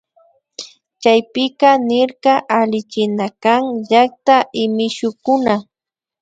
Chaypika nirka allichinakan llakta y mishukuna